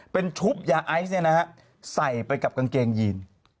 เป็นชุบยาไอซ์เนี่ยนะฮะใส่ไปกับกางเกงยีน